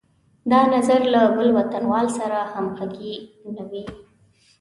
دا نظر له بل وطنوال سره همغږی نه وي.